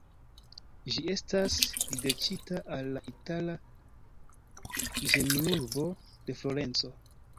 Ĝi estas dediĉita al la itala ĝemelurbo de Florenco.